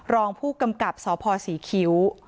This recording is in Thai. รองผู้กำกับสพศรีคิ้ว